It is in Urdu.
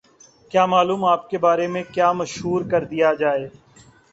کیا معلوم آپ کے بارے میں کیا مشہور کر دیا جائے؟